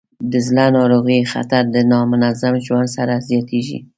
د زړه ناروغیو خطر د نامنظم ژوند سره زیاتېږي.